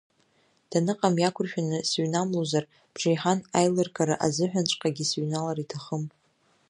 Даныҟам иақәыршәаны сыҩнамлозар, бжеиҳан аилыргара азыҳәанҵәҟьагьы сыҩналар иҭахым.